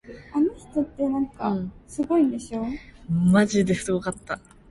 유서방과 할멈은 선비를 바라보며 어서 다리를 치라는 뜻을 보이었다.